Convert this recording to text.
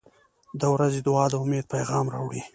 • د ورځې دعا د امید پیغام راوړي.